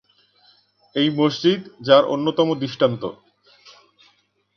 এই মসজিদ যার অন্যতম দৃষ্টান্ত।